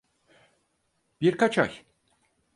Birkaç ay.